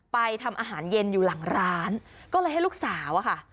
ทำอาหารเย็นอยู่หลังร้านก็เลยให้ลูกสาวอะค่ะ